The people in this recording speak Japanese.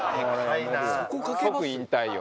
即引退よ